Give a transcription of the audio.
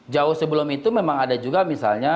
jauh sebelum itu memang ada juga misalnya